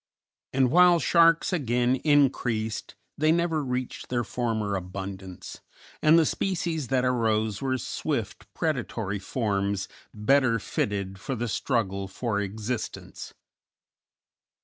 And while sharks again increased, they never reached their former abundance, and the species that arose were swift, predatory forms, better fitted for the struggle for existence.